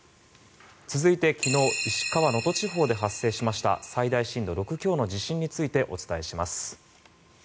続いて、昨日石川・能登地方で発生しました最大震度６強の地震についてお伝えします。